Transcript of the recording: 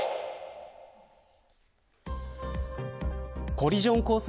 コリジョンコース